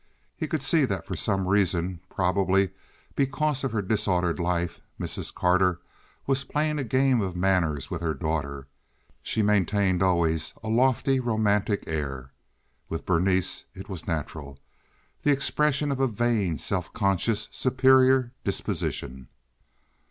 He could see that for some reason—probably because of her disordered life—Mrs. Carter was playing a game of manners with her daughter; she maintained always a lofty, romantic air. With Berenice it was natural—the expression of a vain, self conscious, superior disposition.